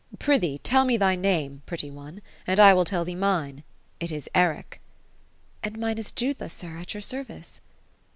" Pr'ythee, tell me thy name, pretty one, and I will tell thee mine. It is Eric." " And mine is Jutha, sir, at your service."